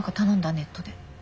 ネットで。